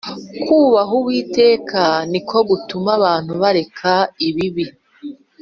kubaha Uwiteka niko gutuma abantu bareka ibibi